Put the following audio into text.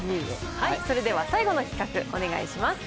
それでは最後の企画、お願いします。